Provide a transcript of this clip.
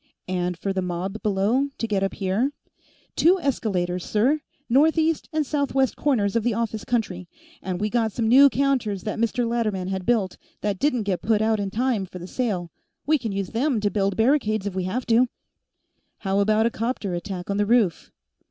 "And for the mob below to get up here?" "Two escalators, sir, northeast and southwest corners of office country. And we got some new counters that Mr. Latterman had built, that didn't get put out in time for the sale. We can use them to build barricades, if we have to." "How about a 'copter attack on the roof?"